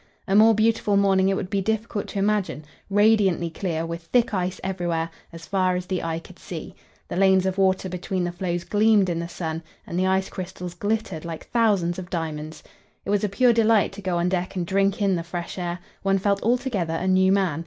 A more beautiful morning it would be difficult to imagine: radiantly clear, with thick ice everywhere, as far as the eye could see; the lanes of water between the floes gleamed in the sun, and the ice crystals glittered like thousands of diamonds. It was a pure delight to go on deck and drink in the fresh air; one felt altogether a new man.